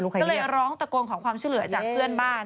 ก็เลยร้องตะโกนขอความช่วยเหลือจากเพื่อนบ้าน